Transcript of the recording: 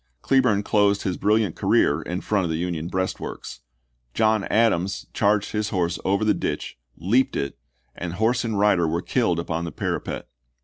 Cleburne closed his brilliant career in front of the Union breastworks. John Adams charged his horse over the ditch, leaped it, and horse and rider were killed upon the parapet.